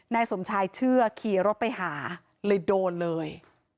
นายสมชายเชื่อขี่รถไปหาเลยโดนเลย